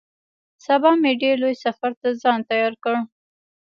سبا مې ډېر لوی سفر ته ځان تيار کړ.